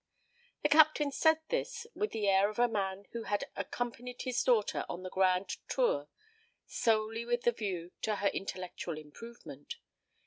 The Captain said this with the air of a man who had accompanied his daughter on the grand tour solely with a view to her intellectual improvement.